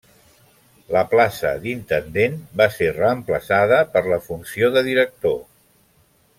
La plaça d'intendent va ser reemplaçada per la funció de director.